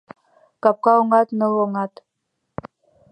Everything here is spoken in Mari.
Капка оҥат — ныл оҥат